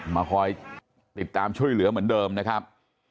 มาคอยติดตามช่วยเหลือเหมือนเดิมนะครับ